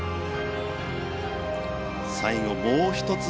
最後、もう１つ